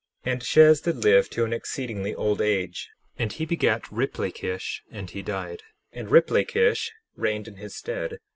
And Shez did live to an exceedingly old age; and he begat Riplakish. And he died, and Riplakish reigned in his stead.